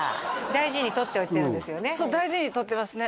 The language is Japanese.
大事にとっておいてるんですよね